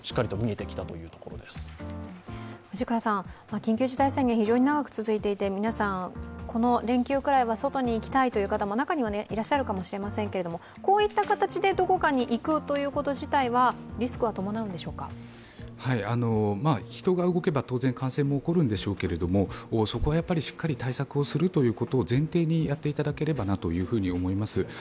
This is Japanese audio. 緊急事態宣言、非常に長く続いていて、皆さん、この連休ぐらいは外に行きたいという方も中にはいらっしゃるかもしれませんけどこういった形でどこかに行くということ自体は人が動けば、当然、感染も起こるんでしょうけどそこはしっかり対策をするということを前提にやっていただければなと思います。